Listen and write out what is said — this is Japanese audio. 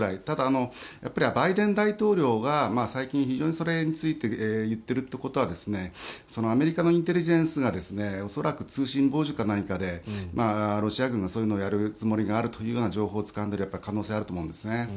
ただ、バイデン大統領が最近、非常にそれについて言ってるということはアメリカのインテリジェンスが恐らく、通信傍受か何かでロシア軍がそういうのをやるつもりがあるという情報をつかんでいる可能性はあると思うんですね。